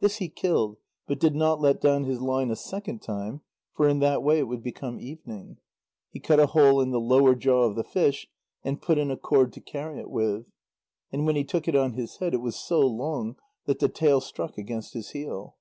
This he killed, but did not let down his line a second time, for in that way it would become evening. He cut a hole in the lower jaw of the fish, and put in a cord to carry it with. And when he took it on his head, it was so long that the tail struck against his heel.